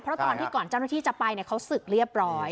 เพราะตอนที่ก่อนเจ้าหน้าที่จะไปเขาศึกเรียบร้อย